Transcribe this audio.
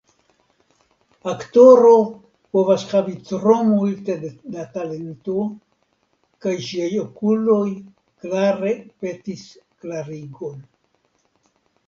Aktoro povas havi tro multe da talento, kaj ŝiaj okuloj klare petis klarigon.